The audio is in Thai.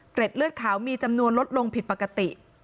เลือดเลือดขาวมีจำนวนลดลงผิดปกติ